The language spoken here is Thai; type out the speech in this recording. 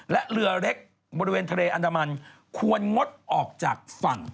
และเรือเล็กบริเวณทะเลอันดามันควรงดออกจากฝั่ง